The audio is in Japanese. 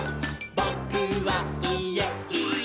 「ぼ・く・は・い・え！